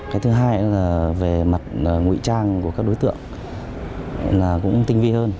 cái thứ hai là về mặt ngụy trang của các đối tượng là cũng tinh vi hơn